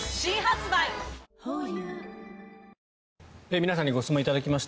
皆さんにご質問いただきました。